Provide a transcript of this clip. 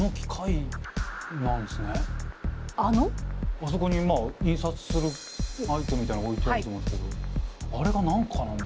あそこにまあ印刷するアイテムみたいなのが置いてあると思うんすけどあれが何かなんだ。